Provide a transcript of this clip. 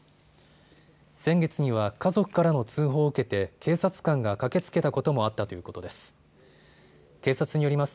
先月には家族からの通報を受けて警察官が駆けつけたこともあったということです。